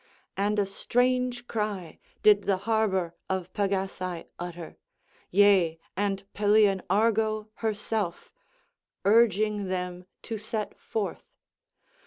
And a strange cry did the harbour of Pagasae utter, yea and Pelian Argo herself, urging them to set forth.